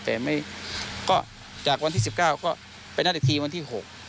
แต่ก็จากวันที่๑๙ก็ไปนัดอีกทีวันที่๖